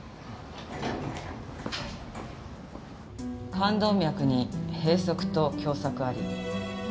冠動脈に閉塞と狭窄あり。